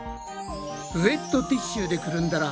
ウエットティッシュでくるんだら